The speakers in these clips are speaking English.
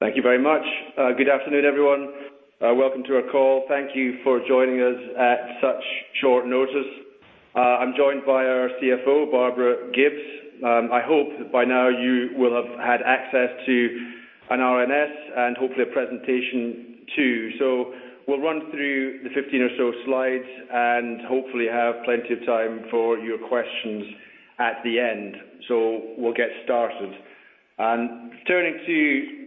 Thank you very much. Good afternoon, everyone. Welcome to our call. Thank you for joining us at such short notice. I'm joined by our CFO, Barbara Gibbes. I hope that by now you will have had access to an RNS and hopefully a presentation too. We'll run through the 15 or so slides and hopefully have plenty of time for your questions at the end. We'll get started. Turning to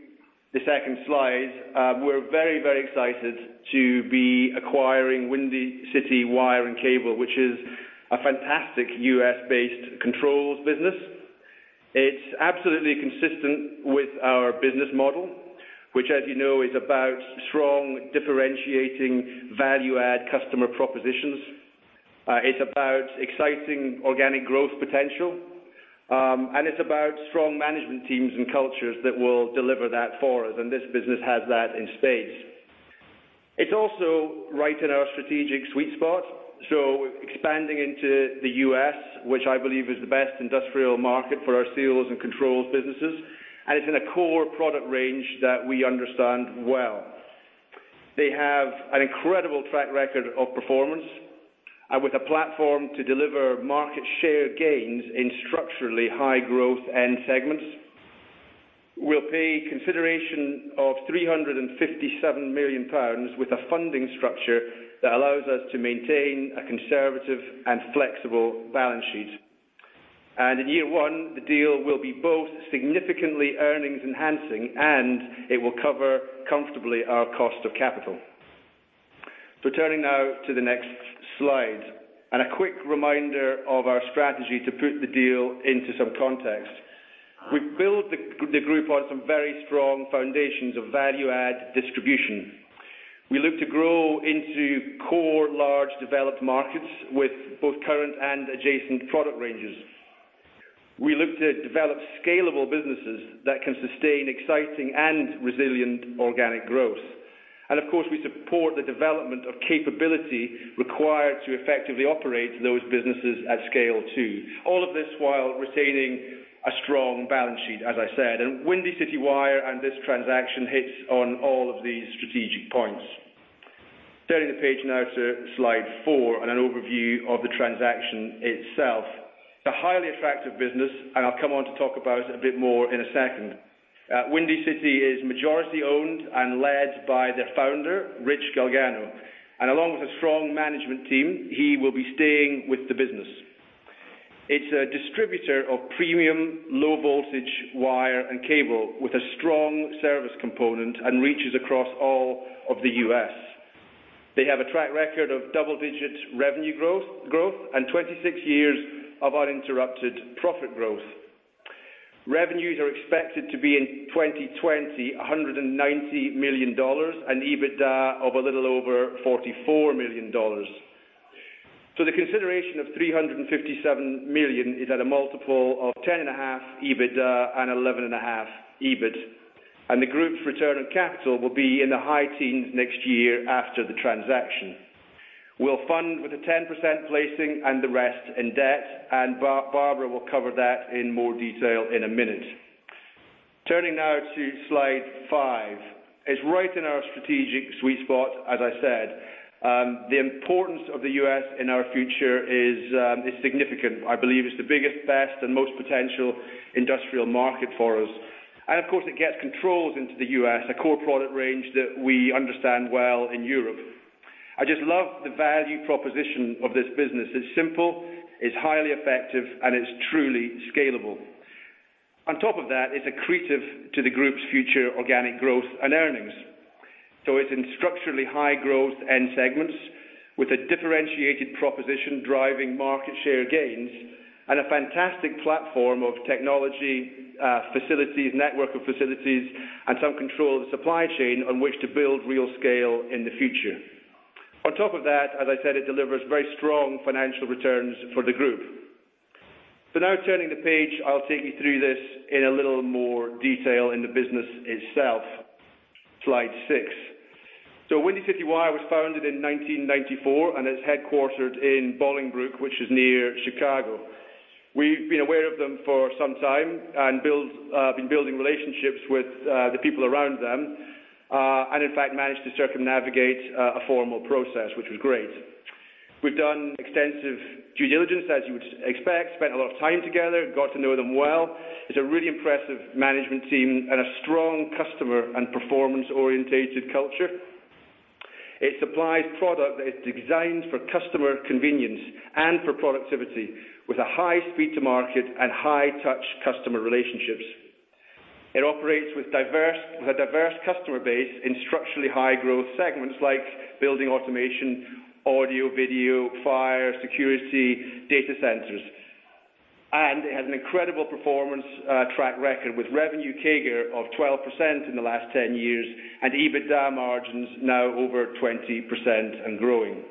the second slide, we're very excited to be acquiring Windy City Wire and Cable, which is a fantastic U.S.-based controls business. It's absolutely consistent with our business model, which, as you know, is about strong differentiating value-add customer propositions. It's about exciting organic growth potential. It's about strong management teams and cultures that will deliver that for us, and this business has that in spades. It's also right in our strategic sweet spot, expanding into the U.S., which I believe is the best industrial market for our seals and controls businesses, it's in a core product range that we understand well. They have an incredible track record of performance, with a platform to deliver market share gains in structurally high growth end segments. We'll pay a consideration of 357 million pounds with a funding structure that allows us to maintain a conservative and flexible balance sheet. In year one, the deal will be both significantly earnings-enhancing, it will cover comfortably our cost of capital. Turning now to the next slide, a quick reminder of our strategy to put the deal into some context. We've built the group on some very strong foundations of value-add distribution. We look to grow into core, large, developed markets with both current and adjacent product ranges. We look to develop scalable businesses that can sustain exciting and resilient organic growth. Of course, we support the development of capability required to effectively operate those businesses at scale too. All of this while retaining a strong balance sheet, as I said. Windy City Wire and this transaction hits on all of these strategic points. Turning the page now to slide four and an overview of the transaction itself. It's a highly effective business, and I'll come on to talk about it a bit more in a second. Windy City is majority-owned and led by their founder, Rich Galgano, and along with a strong management team, he will be staying with the business. It's a distributor of premium low voltage wire and cable with a strong service component and reaches across all of the U.S. They have a track record of double-digit revenue growth, and 26 years of uninterrupted profit growth. Revenues are expected to be in 2020, $190 million, and EBITDA of a little over $44 million. The consideration of 357 million is at a multiple of 10.5x EBITDA and 11.5x EBIT. The group's return on capital will be in the high teens next year after the transaction. We'll fund with a 10% placing and the rest in debt, and Barbara will cover that in more detail in a minute. Turning now to slide five. It's right in our strategic sweet spot, as I said. The importance of the U.S. in our future is significant. I believe it's the biggest, best, and most potential industrial market for us. Of course, it gets controls into the U.S., a core product range that we understand well in Europe. I just love the value proposition of this business. It's simple, it's highly effective, and it's truly scalable. On top of that, it's accretive to the group's future organic growth and earnings. It's in structurally high growth end segments with a differentiated proposition driving market share gains and a fantastic platform of technology, facilities, network of facilities, and some control of the supply chain on which to build real scale in the future. On top of that, as I said, it delivers very strong financial returns for the group. Now turning the page, I'll take you through this in a little more detail in the business itself. Slide six. Windy City Wire was founded in 1994 and is headquartered in Bolingbrook, which is near Chicago. We've been aware of them for some time and been building relationships with the people around them. In fact, managed to circumnavigate a formal process, which was great. We've done extensive due diligence, as you would expect, spent a lot of time together, got to know them well. It's a really impressive management team and a strong customer and performance-orientated culture. It supplies product that is designed for customer convenience and for productivity with a high speed to market and high touch customer relationships. It operates with a diverse customer base in structurally high growth segments like building automation, audio, video, fire security, data centers. It has an incredible performance track record with revenue CAGR of 12% in the last 10 years and EBITDA margins now over 20% and growing.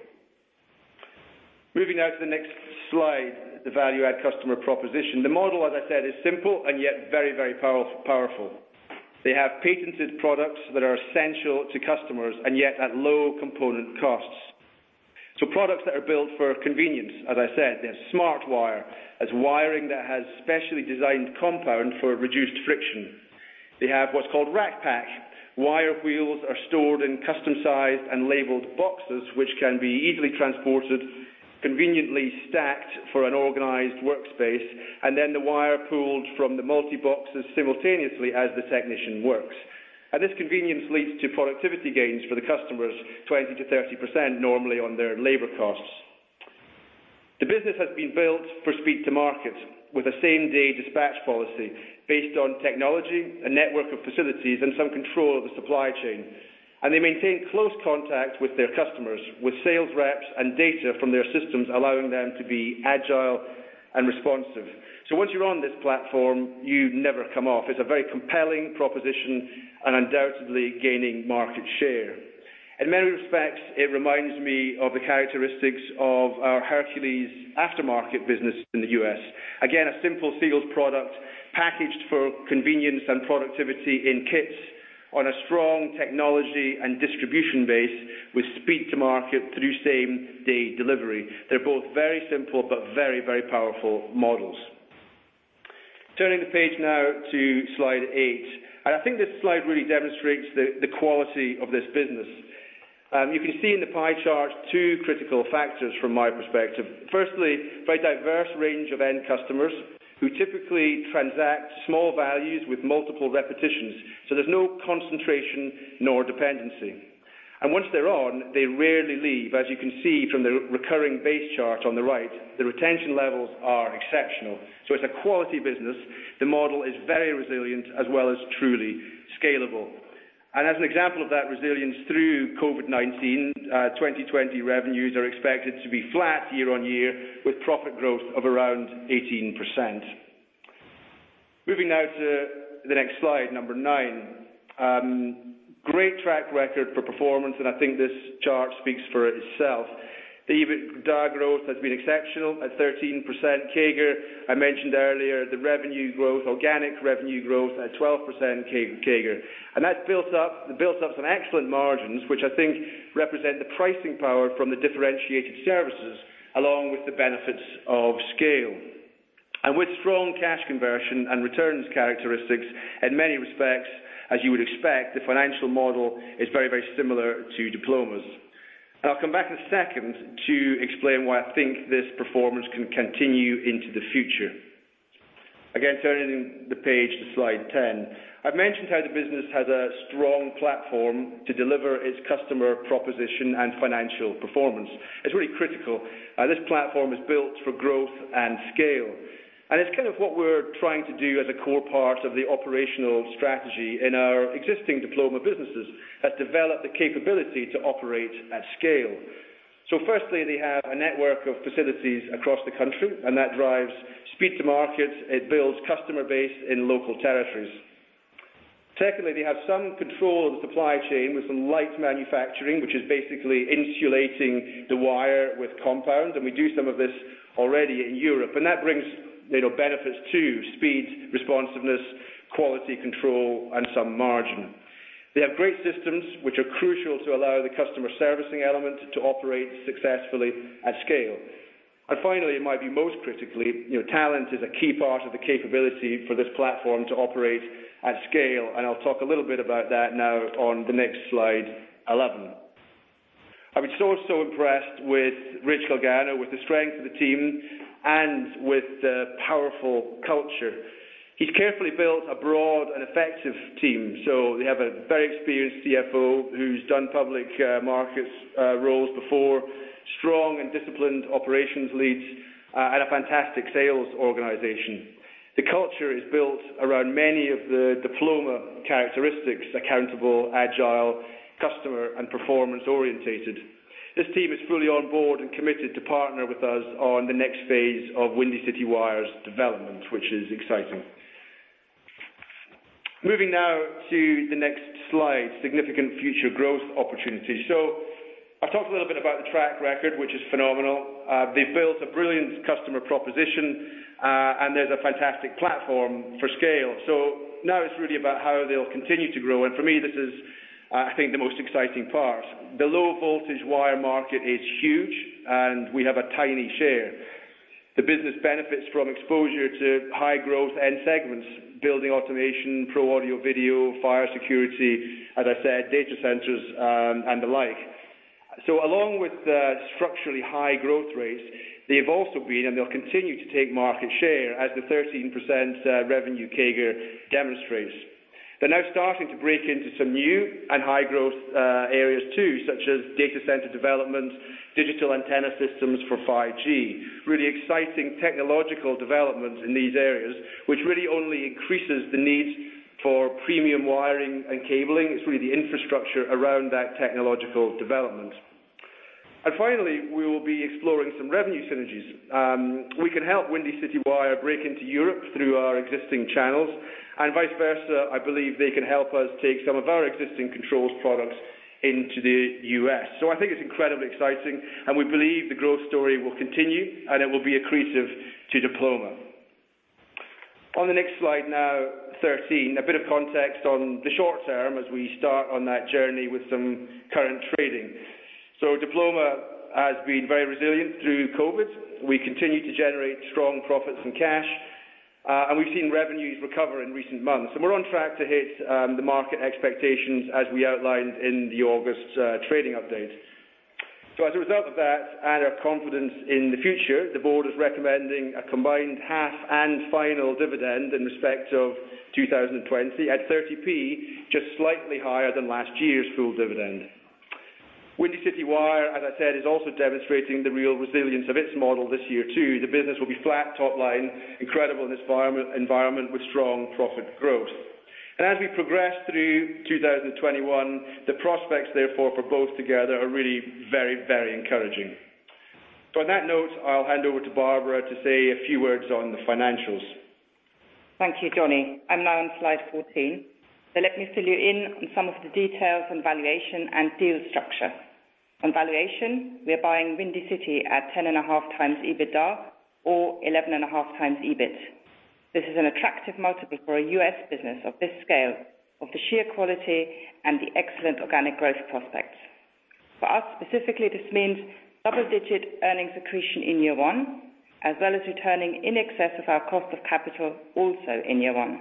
Moving now to the next slide, the value-add customer proposition. The model, as I said, is simple and yet very powerful. They have patented products that are essential to customers and yet at low component costs. Products that are built for convenience, as I said, they have SmartWire as wiring that has specially designed compound for reduced friction. They have what's called Rack-Pack. Wire wheels are stored in custom-sized and labeled boxes, which can be easily transported, conveniently stacked for an organized workspace, and then the wire pooled from the multi-boxes simultaneously as the technician works. This convenience leads to productivity gains for the customers, 20%-30% normally on their labor costs. The business has been built for speed to market with a same-day dispatch policy based on technology, a network of facilities, and some control of the supply chain. They maintain close contact with their customers, with sales reps and data from their systems, allowing them to be agile and responsive. Once you're on this platform, you never come off. It's a very compelling proposition and undoubtedly gaining market share. In many respects, it reminds me of the characteristics of our Hercules aftermarket business in the U.S. Again, a simple sealed product packaged for convenience and productivity in kits on a strong technology and distribution base with speed to market through same-day delivery. They're both very simple but very powerful models. Turning the page now to slide eight. I think this slide really demonstrates the quality of this business. You can see in the pie chart two critical factors from my perspective. Firstly, very diverse range of end customers who typically transact small values with multiple repetitions. There's no concentration nor dependency. Once they're on, they rarely leave. As you can see from the recurring base chart on the right, the retention levels are exceptional. It's a quality business. The model is very resilient as well as truly scalable. As an example of that resilience through COVID-19, 2020 revenues are expected to be flat year-on-year with profit growth of around 18%. Moving now to the next slide, number nine. Great track record for performance. I think this chart speaks for itself. The EBITDA growth has been exceptional at 13% CAGR. I mentioned earlier the revenue growth, organic revenue growth at 12% CAGR. That's built up some excellent margins, which I think represent the pricing power from the differentiated services, along with the benefits of scale. With strong cash conversion and returns characteristics, in many respects, as you would expect, the financial model is very, very similar to Diploma's. I'll come back in a second to explain why I think this performance can continue into the future. Turning the page to slide 10. I've mentioned how the business has a strong platform to deliver its customer proposition and financial performance. It's really critical. This platform is built for growth and scale. It's kind of what we're trying to do as a core part of the operational strategy in our existing Diploma businesses that develop the capability to operate at scale. Firstly, they have a network of facilities across the country, and that drives speed to market. It builds customer base in local territories. They have some control of the supply chain with some light manufacturing, which is basically insulating the wire with compound, and we do some of this already in Europe. That brings benefits too, speed, responsiveness, quality control, and some margin. They have great systems which are crucial to allow the customer servicing element to operate successfully at scale. Finally, it might be most critically, talent is a key part of the capability for this platform to operate at scale, and I'll talk a little bit about that now on the next slide 11. I was so impressed with Rich Galgano, with the strength of the team, and with the powerful culture. He's carefully built a broad and effective team. They have a very experienced CFO who's done public markets roles before, strong and disciplined operations leads, and a fantastic sales organization. The culture is built around many of the Diploma characteristics, accountable, agile, customer, and performance oriented. This team is fully on board and committed to partner with us on the next phase of Windy City Wire's development, which is exciting. Moving now to the next slide, significant future growth opportunities. I've talked a little bit about the track record, which is phenomenal. They've built a brilliant customer proposition, and there's a fantastic platform for scale. Now it's really about how they'll continue to grow. For me, this is, I think, the most exciting part. The low voltage wire market is huge, and we have a tiny share. The business benefits from exposure to high growth end segments, building automation, pro audio video, fire security, as I said, data centers, and the like. Along with the structurally high growth rates, they've also been, and they'll continue to take market share as the 13% revenue CAGR demonstrates. They're now starting to break into some new and high growth areas too, such as data center development, digital antenna systems for 5G. Really exciting technological developments in these areas, which really only increases the need for premium wiring and cabling. It's really the infrastructure around that technological development. Finally, we will be exploring some revenue synergies. We can help Windy City Wire break into Europe through our existing channels, and vice versa, I believe they can help us take some of our existing controls products into the U.S. I think it's incredibly exciting, and we believe the growth story will continue, and it will be accretive to Diploma. On the next slide 13, a bit of context on the short term as we start on that journey with some current trading. Diploma has been very resilient through COVID. We continue to generate strong profits and cash, and we've seen revenues recover in recent months. We're on track to hit the market expectations as we outlined in the August trading update. As a result of that and our confidence in the future, the board is recommending a combined half and final dividend in respect of 2020 at 0.30, just slightly higher than last year's full dividend. Windy City Wire, as I said, is also demonstrating the real resilience of its model this year too. The business will be flat top line, incredible in this environment with strong profit growth. As we progress through 2021, the prospects, therefore, for both together are really very encouraging. On that note, I'll hand over to Barbara to say a few words on the financials. Thank you, Johnny. I'm now on slide 14. Let me fill you in on some of the details on valuation and deal structure. On valuation, we are buying Windy City at 10 and a half times EBITDA or 11 and a half times EBIT. This is an attractive multiple for a U.S. business of this scale, of the sheer quality, and the excellent organic growth prospects. For us specifically, this means double-digit earnings accretion in year one, as well as returning in excess of our cost of capital also in year one.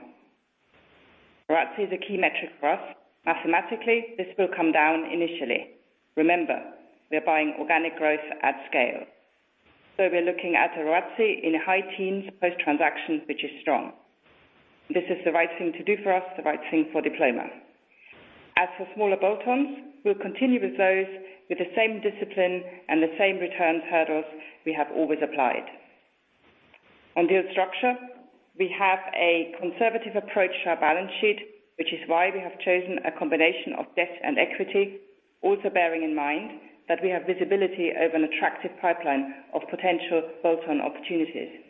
ROACE is a key metric for us. Mathematically, this will come down initially. Remember, we are buying organic growth at scale. We are looking at a ROACE in high teens post-transaction, which is strong. This is the right thing to do for us, the right thing for Diploma. As for smaller bolt-ons, we'll continue with those with the same discipline and the same returns hurdles we have always applied. On deal structure, we have a conservative approach to our balance sheet, which is why we have chosen a combination of debt and equity, also bearing in mind that we have visibility over an attractive pipeline of potential bolt-on opportunities.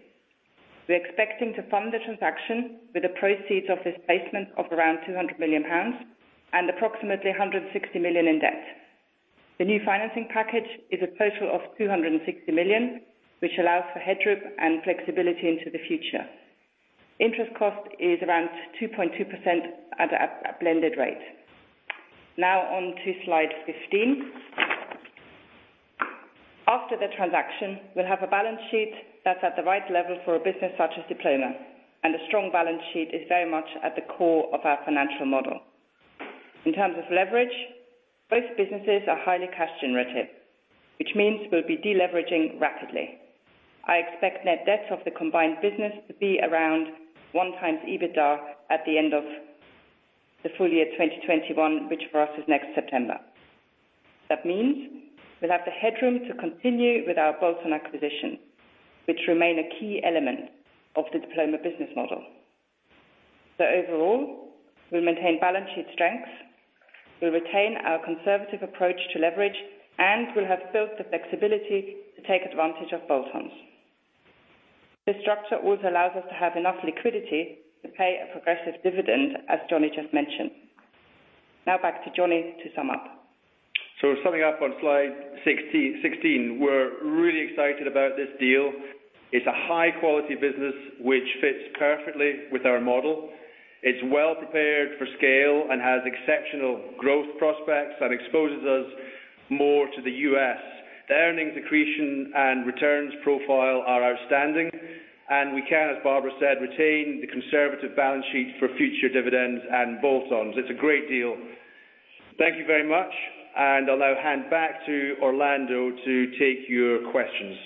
We are expecting to fund the transaction with the proceeds of this placing of around 200 million pounds and approximately 160 million in debt. The new financing package is a total of 260 million, which allows for headroom and flexibility into the future. Interest cost is around 2.2% at a blended rate. Now on to slide 15. After the transaction, we'll have a balance sheet that's at the right level for a business such as Diploma. A strong balance sheet is very much at the core of our financial model. In terms of leverage, both businesses are highly cash generative, which means we'll be de-leveraging rapidly. I expect net debt of the combined business to be around 1x EBITDA at the end of the full year 2021, which for us is next September. That means we'll have the headroom to continue with our bolt-on acquisition, which remain a key element of the Diploma business model. Overall, we'll maintain balance sheet strengths, we'll retain our conservative approach to leverage. We'll have built the flexibility to take advantage of bolt-ons. This structure also allows us to have enough liquidity to pay a progressive dividend, as Johnny just mentioned. Now back to Johnny to sum up. Summing up on slide 16. We're really excited about this deal. It's a high-quality business which fits perfectly with our model. It's well prepared for scale and has exceptional growth prospects and exposes us more to the U.S. The earnings accretion and returns profile are outstanding, and we can, as Barbara said, retain the conservative balance sheet for future dividends and bolt-ons. It's a great deal. Thank you very much, I'll now hand back to Orlando to take your questions.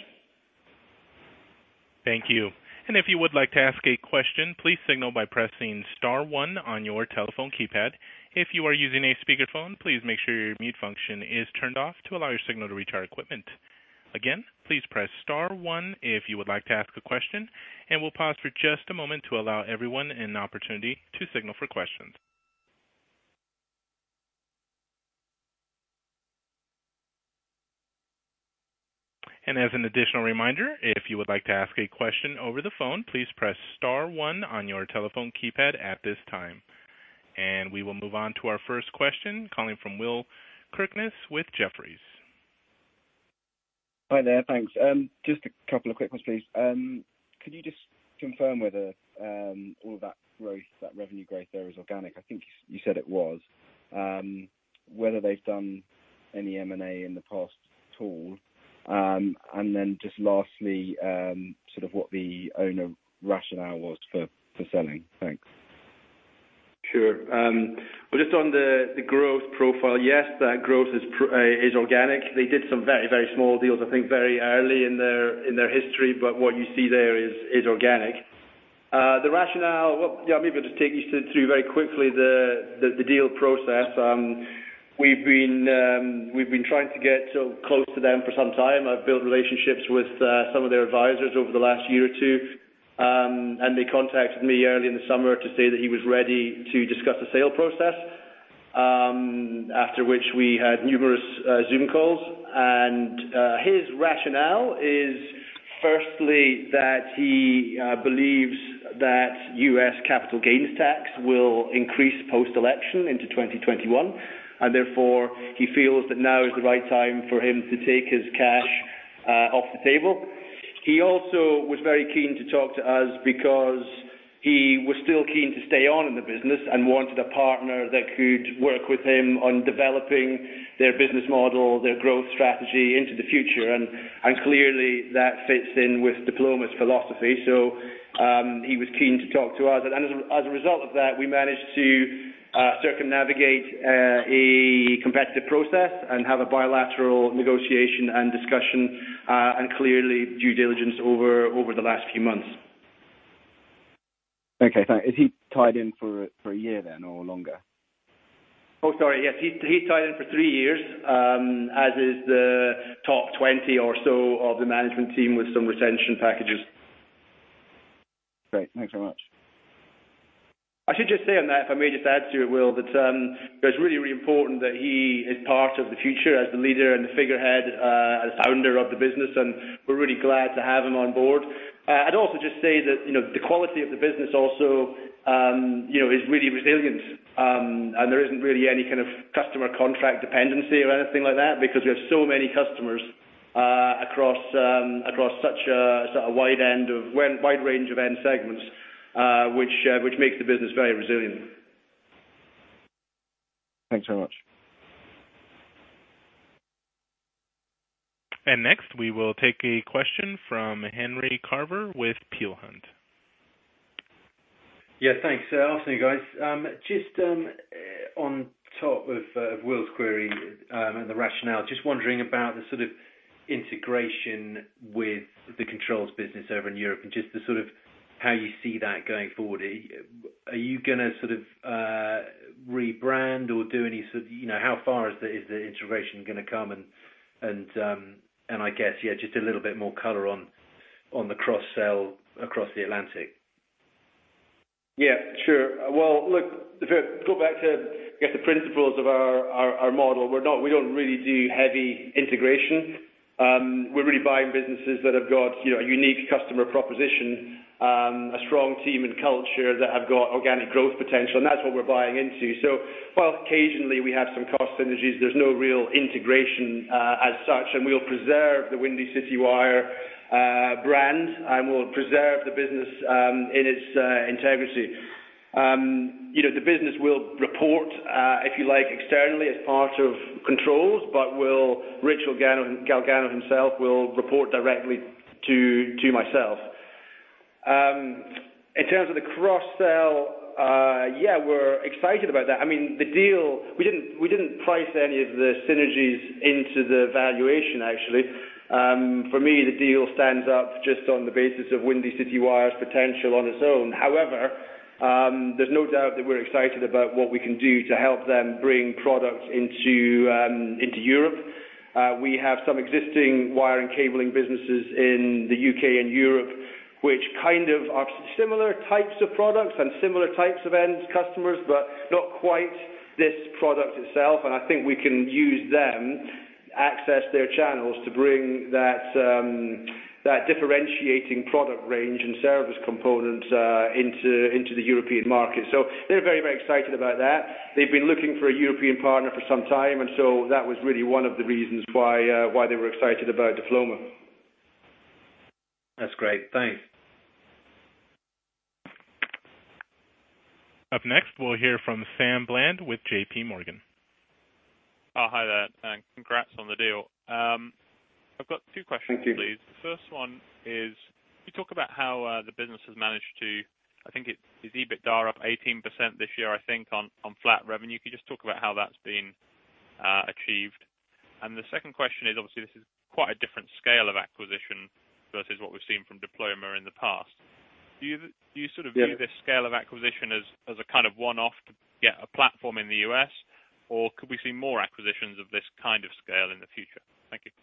Thank you. If you would like to ask a question, please signal by pressing star one on your telephone keypad. If you are using a speakerphone, please make sure your mute function is turned off to allow your signal to reach our equipment. Again, please press star one if you would like to ask a question, and we'll pause for just a moment to allow everyone an opportunity to signal for questions. As an additional reminder, if you would like to ask a question over the phone, please press star one on your telephone keypad at this time. We will move on to our first question, calling from Will Kirkness with Jefferies. Hi there. Thanks. Just a couple of quick ones, please. Could you just confirm whether all that revenue growth there is organic? I think you said it was. Whether they've done any M&A in the past at all? Just lastly, sort of what the owner rationale was for selling? Thanks. Sure. Well, just on the growth profile, yes, that growth is organic. They did some very small deals, I think, very early in their history, but what you see there is organic. Maybe I'll just take you through very quickly the deal process. We've been trying to get close to them for some time. I've built relationships with some of their advisors over the last year or two. They contacted me early in the summer to say that he was ready to discuss the sale process, after which we had numerous Zoom calls. His rationale is firstly that he believes that U.S. capital gains tax will increase post-election into 2021, and therefore he feels that now is the right time for him to take his cash off the table. He also was very keen to talk to us because he was still keen to stay on in the business and wanted a partner that could work with him on developing their business model, their growth strategy into the future, and clearly that fits in with Diploma's philosophy. He was keen to talk to us, and as a result of that, we managed to circumnavigate a competitive process and have a bilateral negotiation and discussion, and clearly due diligence over the last few months. Okay, thanks. Is he tied in for a year then, or longer? Sorry, yes. He's tied in for three years, as is the top 20 or so of the management team with some retention packages. Great. Thanks very much. I should just say on that, if I may just add to it, Will, that it's really, really important that he is part of the future as the leader and the figurehead, as founder of the business, and we're really glad to have him on board. I'd also just say that the quality of the business also is really resilient, and there isn't really any kind of customer contract dependency or anything like that because we have so many customers across such a wide range of end segments, which makes the business very resilient. Thanks very much. Next, we will take a question from Henry Carver with Peel Hunt. Thanks. Afternoon, guys. Just on top of Will's query, and the rationale, just wondering about the sort of integration with the controls business over in Europe and just the sort of how you see that going forward. Are you going to sort of rebrand or do any how far is the integration going to come? I guess, yeah, just a little bit more color on the cross-sell across the Atlantic. Yeah, sure. Well, look, if go back to, I guess, the principles of our model, we don't really do heavy integration. We're really buying businesses that have got a unique customer proposition, a strong team and culture that have got organic growth potential, and that's what we're buying into. While occasionally we have some cost synergies, there's no real integration as such, and we'll preserve the Windy City Wire brand, and we'll preserve the business in its integrity. The business will report, if you like, externally as part of controls, but Rich Galgano himself will report directly to myself. In terms of the cross-sell, yeah, we're excited about that. I mean, the deal, we didn't price any of the synergies into the valuation, actually. For me, the deal stands up just on the basis of Windy City Wire's potential on its own. However, there's no doubt that we're excited about what we can do to help them bring products into Europe. We have some existing wire and cabling businesses in the U.K. and Europe, which kind of are similar types of products and similar types of end customers, but not quite this product itself, and I think we can use them, access their channels, to bring that differentiating product range and service component into the European market. They're very, very excited about that. They've been looking for a European partner for some time. That was really one of the reasons why they were excited about Diploma. That's great. Thanks. Up next, we'll hear from Sam Bland with JPMorgan. Hi there. Thanks. Congrats on the deal. I've got two questions, please. First one is, can you talk about how the business has managed to, I think it is EBITDA up 18% this year, I think, on flat revenue. Can you just talk about how that's been achieved? The second question is, obviously, this is quite a different scale of acquisition versus what we've seen from Diploma in the past. Do you sort of view this scale of acquisition as a kind of one-off to get a platform in the U.S., or could we see more acquisitions of this kind of scale in the future? Thank you.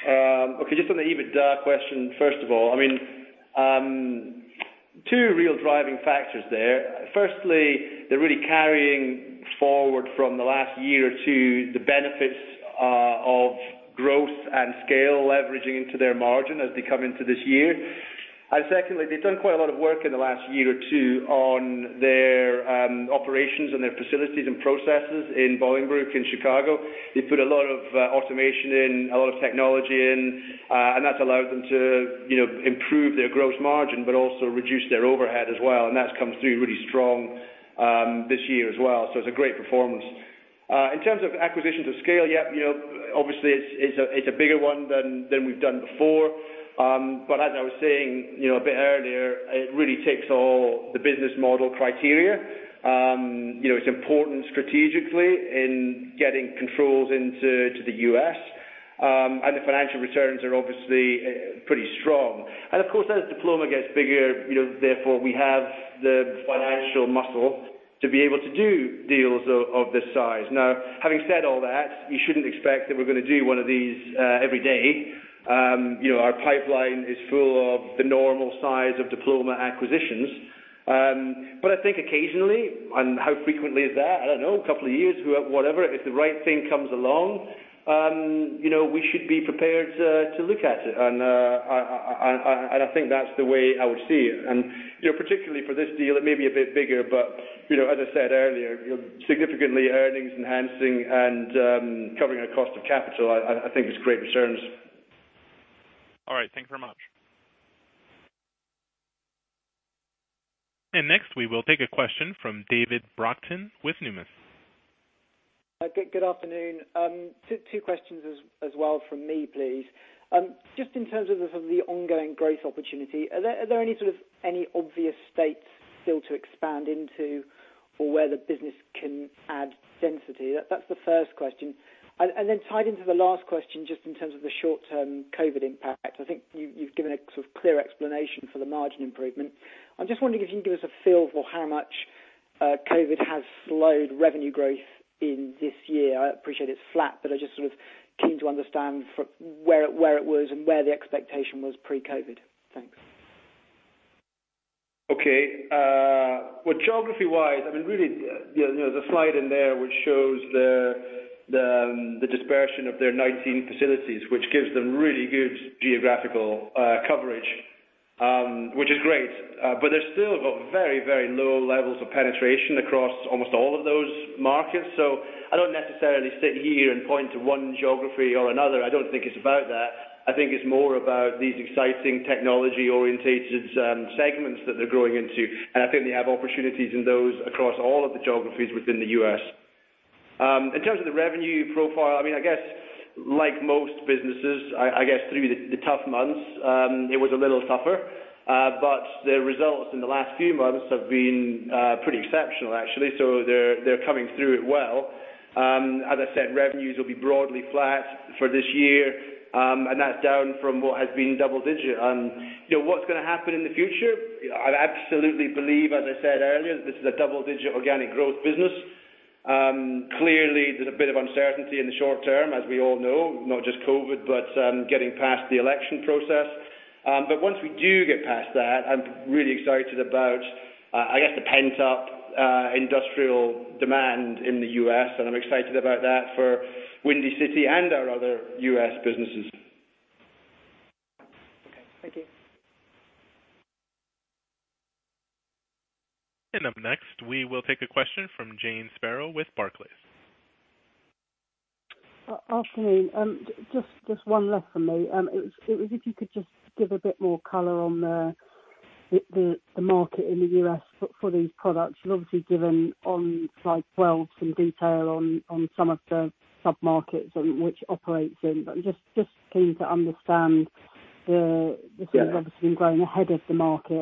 Okay. Just on the EBITDA question, first of all. Two real driving factors there. Firstly, they're really carrying forward from the last year or two the benefits of growth and scale leveraging into their margin as they come into this year. Secondly, they've done quite a lot of work in the last year or two on their operations and their facilities and processes in Bolingbrook, in Chicago. They put a lot of automation in, a lot of technology in, that's allowed them to improve their gross margin, but also reduce their overhead as well. That's come through really strong this year as well. It's a great performance. In terms of acquisitions of scale, yeah, obviously it's a bigger one than we've done before. As I was saying a bit earlier, it really ticks all the business model criteria. It's important strategically in getting controls into the U.S., and the financial returns are obviously pretty strong. Of course, as Diploma gets bigger, therefore we have the financial muscle to be able to do deals of this size. Now, having said all that, you shouldn't expect that we're going to do one of these every day. Our pipeline is full of the normal size of Diploma acquisitions. I think occasionally, and how frequently is that? I don't know, a couple of years, whatever, if the right thing comes along, we should be prepared to look at it, and I think that's the way I would see it. Particularly for this deal, it may be a bit bigger, but as I said earlier, significantly earnings enhancing and covering our cost of capital, I think is great returns. All right. Thank you very much. Next we will take a question from David Brockton with Numis. Good afternoon. Two questions as well from me, please. Just in terms of the ongoing growth opportunity, are there any sort of obvious states still to expand into or where the business can add density? That's the first question. Then tied into the last question, just in terms of the short-term COVID impact, I think you've given a sort of clear explanation for the margin improvement. I'm just wondering if you can give us a feel for how much COVID has slowed revenue growth in this year. I appreciate it's flat, but I'm just sort of keen to understand where it was and where the expectation was pre-COVID. Thanks. Okay. Well, geography-wise, I mean, really, there's a slide in there which shows the dispersion of their 19 facilities, which gives them really good geographical coverage, which is great. They've still got very, very low levels of penetration across almost all of those markets. I don't necessarily sit here and point to one geography or another. I don't think it's about that. I think it's more about these exciting technology orientated segments that they're growing into, and I think they have opportunities in those across all of the geographies within the U.S. In terms of the revenue profile, I guess, like most businesses, I guess through the tough months, it was a little tougher. Their results in the last few months have been pretty exceptional, actually. They're coming through it well. As I said, revenues will be broadly flat for this year, and that's down from what has been double digit. What's going to happen in the future? I absolutely believe, as I said earlier, that this is a double-digit organic growth business. Clearly, there's a bit of uncertainty in the short term, as we all know, not just COVID, but getting past the election process. Once we do get past that, I'm really excited about, I guess, the pent-up industrial demand in the U.S., and I'm excited about that for Windy City and our other U.S. businesses. Okay. Thank you. Up next, we will take a question from Jane Sparrow with Barclays. Afternoon. Just one left from me. It was if you could just give a bit more color on the market in the U.S. for these products. You've obviously given on slide 12 some detail on some of the sub-markets in which it operates in. Just keen to understand the, this has obviously been growing ahead of the market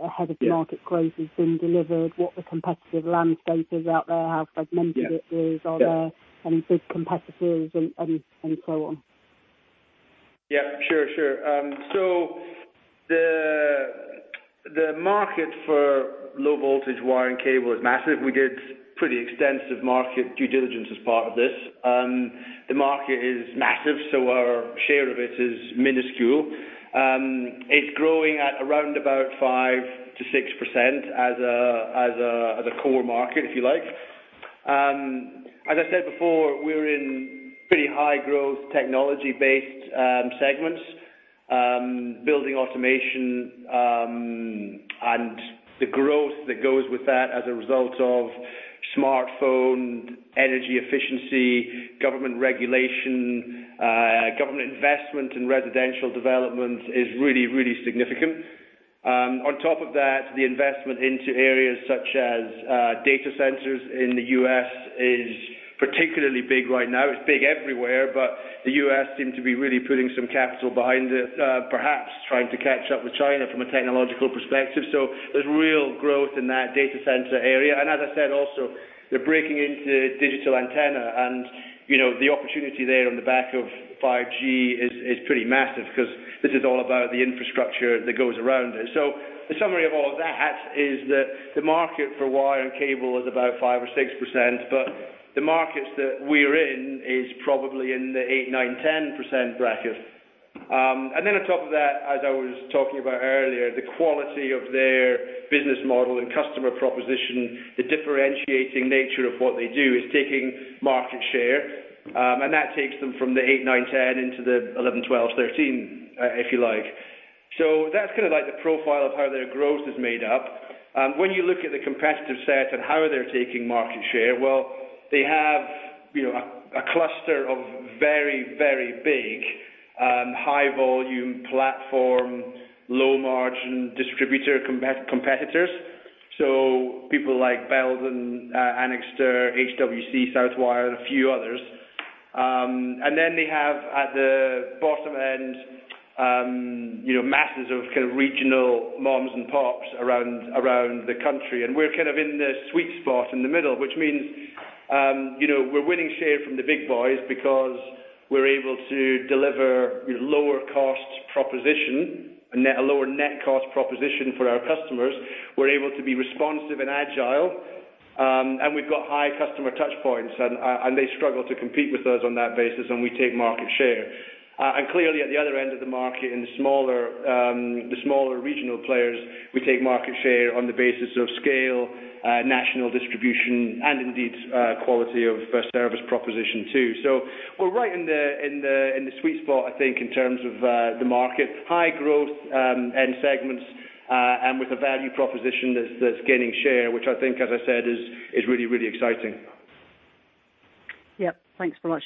has been delivered, what the competitive landscape is out there, how fragmented it is. Are there any big competitors, and so on? Yeah. Sure. The market for low voltage wire and cable is massive. We did pretty extensive market due diligence as part of this. The market is massive, so our share of it is minuscule. It's growing at around about 5%-6% as a core market, if you like. As I said before, we're in pretty high growth technology-based segments, building automation, and the growth that goes with that as a result of smartphone, energy efficiency, government regulation, government investment in residential development is really, really significant. On top of that, the investment into areas such as data centers in the U.S. is particularly big right now. It's big everywhere, but the U.S. seem to be really putting some capital behind it, perhaps trying to catch up with China from a technological perspective. There's real growth in that data center area. As I said also, they're breaking into digital antenna and the opportunity there on the back of 5G is pretty massive because this is all about the infrastructure that goes around it. The summary of all of that is that the market for wire and cable is about 5% or 6%, but the markets that we're in is probably in the 8%, 9%, 10% bracket. Then on top of that, as I was talking about earlier, the quality of their business model and customer proposition, the differentiating nature of what they do is taking market share, and that takes them from the 8%, 9%, 10% into the 11%, 12%, 13%, if you like. That's kind of like the profile of how their growth is made up. When you look at the competitive set and how they're taking market share, well, they have a cluster of very, very big, high volume platform, low margin distributor competitors. People like Belden, Anixter, HWC, Southwire, and a few others. They have at the bottom end, masses of kind of regional moms and pops around the country. We're kind of in the sweet spot in the middle, which means we're winning share from the big boys because we're able to deliver lower cost proposition, a lower net cost proposition for our customers. We're able to be responsive and agile, and we've got high customer touch points, and they struggle to compete with us on that basis, and we take market share. Clearly at the other end of the market, in the smaller regional players, we take market share on the basis of scale, national distribution, and indeed, quality of service proposition too. We're right in the sweet spot, I think, in terms of the market, high growth end segments, and with a value proposition that's gaining share, which I think, as I said, is really, really exciting. Yep. Thanks so much.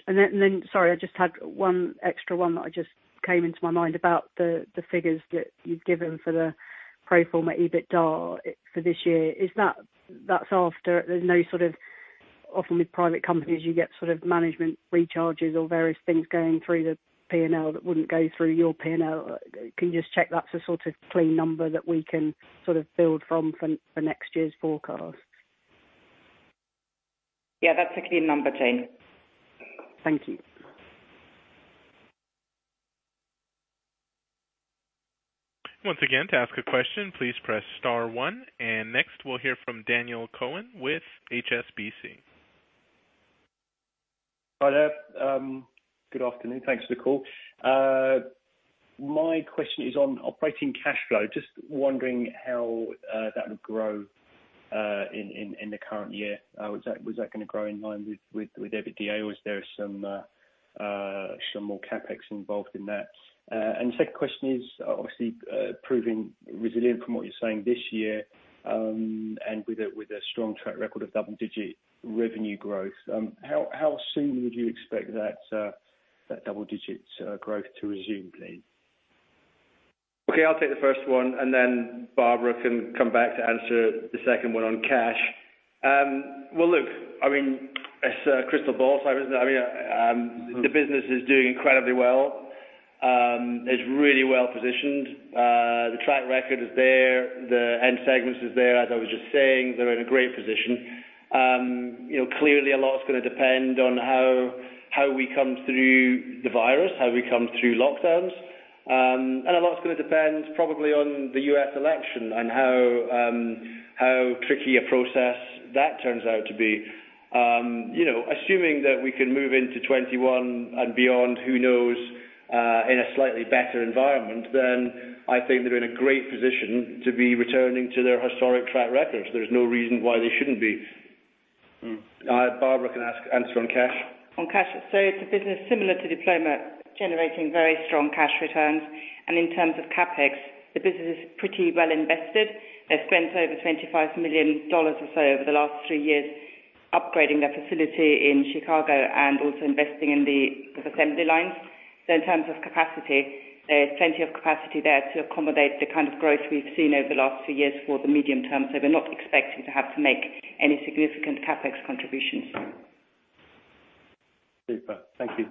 Sorry, I just had one extra one that just came into my mind about the figures that you've given for the pro forma EBITDA for this year. Is that there's no sort of, often with private companies, you get sort of management recharges or various things going through the P&L that wouldn't go through your P&L. Can you just check that's a sort of clean number that we can build from for next year's forecast? Yeah, that's a clean number, Jane. Thank you. Once again, to ask a question, please press star one. Next we'll hear from Daniel Cowan with HSBC. Hi there. Good afternoon. Thanks for the call. My question is on operating cash flow. Just wondering how that would grow in the current year. Was that going to grow in line with EBITDA, or is there some more CapEx involved in that? Second question is, obviously, proving resilient from what you're saying this year, and with a strong track record of double-digit revenue growth, how soon would you expect that double digits growth to resume, please? Okay. I'll take the first one, and then Barbara can come back to answer the second one on cash. Look, it's a crystal ball. The business is doing incredibly well. It's really well positioned. The track record is there, the end segments is there. As I was just saying, they're in a great position. Clearly, a lot's going to depend on how we come through the virus, how we come through lockdowns. A lot's going to depend probably on the U.S. election and how tricky a process that turns out to be. Assuming that we can move into 2021 and beyond, who knows, in a slightly better environment, I think they're in a great position to be returning to their historic track records. There's no reason why they shouldn't be. Barbara can answer on cash. On cash. It's a business similar to Diploma, generating very strong cash returns. In terms of CapEx, the business is pretty well invested. They've spent over $25 million or so over the last three years upgrading their facility in Chicago and also investing in the assembly lines. In terms of capacity, there's plenty of capacity there to accommodate the kind of growth we've seen over the last two years for the medium term. We're not expecting to have to make any significant CapEx contributions. Super. Thank you.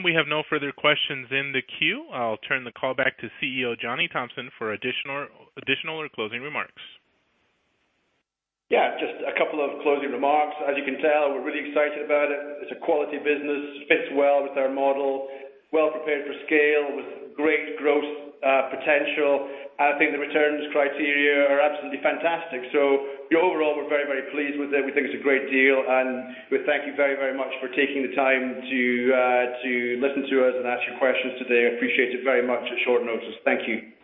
We have no further questions in the queue. I'll turn the call back to CEO Johnny Thomson for additional or closing remarks. Yeah, just a couple of closing remarks. As you can tell, we're really excited about it. It's a quality business, fits well with our model, well prepared for scale with great growth potential. I think the returns criteria are absolutely fantastic. So overall, we're very, very pleased with it. We think it's a great deal, and we thank you very, very much for taking the time to listen to us and ask your questions today. I appreciate it very much at short notice. Thank you.